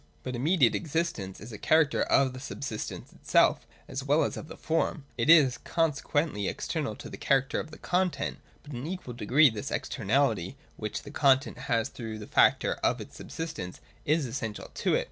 134.] But immediate existence is a character of the subsistence itself as well as of the form : it is conse quently external to the character of the content ; but in an equal degree this externality, which the content has through the factor of its subsistence, is essential to it.